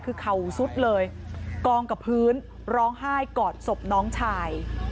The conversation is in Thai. คือเข่าซุดเลยกองกับพื้นร้องไห้กอดศพน้องชาย